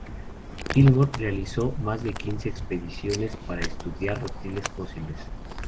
Gilmore realizó más de quince expediciones para estudiar reptiles fósiles.